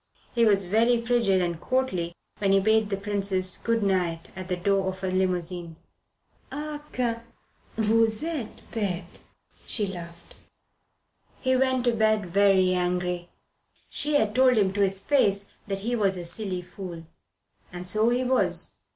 He was very frigid and courtly when he bade the Princess good night at the door of her limousine. "Ah, que vous etes bete!" she laughed. He went to bed very angry. She had told him to his face that he was a silly fool. And so he was.